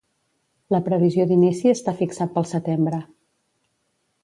La previsió d’inici està fixat pel setembre.